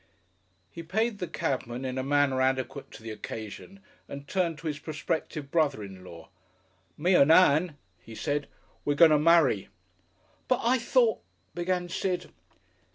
He paid the cabman in a manner adequate to the occasion and turned to his prospective brother in law. "Me and Ann," he said, "we're going to marry." "But I thought " began Sid.